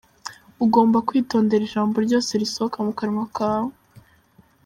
Ugomba kwitondera ijambo rwose risohoka mu kanwa kawe.